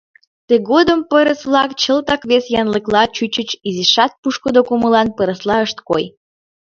Тыгодым пырыс-влак чылтак вес янлыкла чучыч, изишат пушкыдо кумылан пырысла ышт кой.